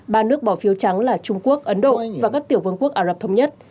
ba nước bỏ phiếu trắng là trung quốc ấn độ và các tiểu vương quốc ả rập thống nhất